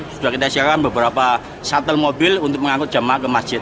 sudah kita siapkan beberapa shuttle mobil untuk mengangkut jemaah ke masjid